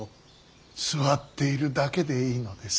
座っているだけでいいのです。